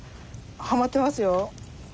ハマってますよ。